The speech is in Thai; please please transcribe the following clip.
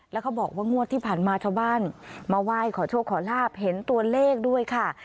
แล้วเขาบอกว่างวดที่ผ่านมาชาวบ้านมาไหว้ขอโชคขอลาบเห็นตัวเลขด้วยค่ะ